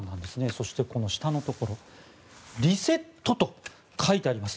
そして、下のところ「リセット」と書いてあります。